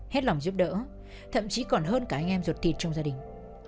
hết lòng giúp đỡ thậm chí còn hơn cả anh em ruột thịt trong gia đình